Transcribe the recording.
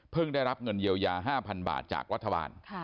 เพิ่งได้รับเงินเยียวยา๕๐๐๐บาทจากวัฒนาวัน